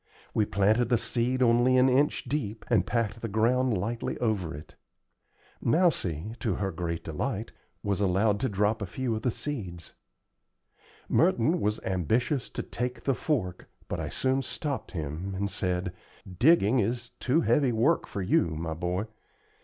We planted the seed only an inch deep, and packed the ground lightly over it. Mousie, to her great delight, was allowed to drop a few of the seeds. Merton was ambitious to take the fork, but I soon stopped him, and said: "Digging is too heavy work for you, my boy.